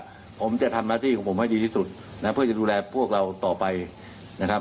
ผมจะทำหน้าที่ของผมให้ดีที่สุดนะเพื่อจะดูแลพวกเราต่อไปนะครับ